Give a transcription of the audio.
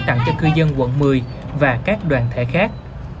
tặng cho cư dân quận một mươi và các đoàn thể khác